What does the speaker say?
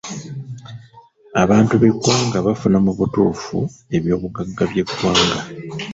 Abantu b'eggwanga bafuna mu butuufu eby'obugagga by'eggwanga.